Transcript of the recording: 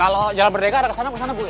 kalau jalan berdeka ada kesana ke sana boleh